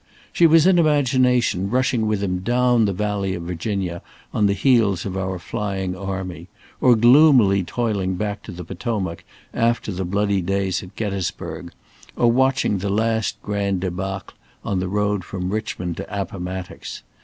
She was in imagination rushing with him down the valley of Virginia on the heels of our flying army, or gloomily toiling back to the Potomac after the bloody days at Gettysburg, or watching the last grand debâcle on the road from Richmond to Appomattox.